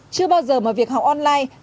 chưa bao giờ mà việc học online